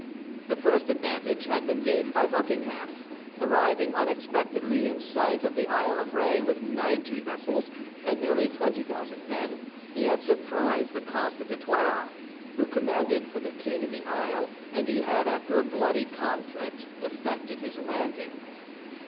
The first advantage had been gained by Buckingham. Arriving unexpectedly in sight of the Isle of Ré with ninety vessels and nearly twenty thousand men, he had surprised the Comte de Toiras, who commanded for the king in the Isle, and he had, after a bloody conflict, effected his landing.